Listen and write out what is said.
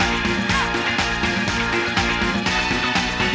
โทรดิสุรุปปอดชุดคุกกี้